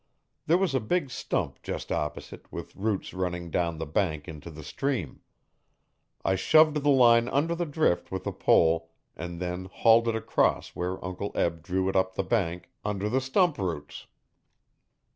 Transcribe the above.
There was a big stump, just opposite, with roots running down the bank into the stream. I shoved the line under the drift with a pole and then hauled it across where Uncle Eb drew it up the bank under the stump roots.